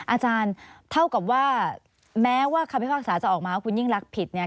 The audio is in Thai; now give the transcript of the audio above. อาจารย์เท่ากับว่าแม้ว่าคำพิพากษาจะออกมาว่าคุณยิ่งรักผิดเนี่ย